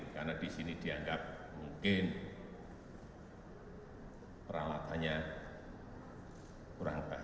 karena di sini dianggap mungkin peralatannya kurang baik